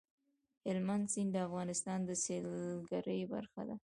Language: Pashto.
هلمند سیند د افغانستان د سیلګرۍ برخه ده.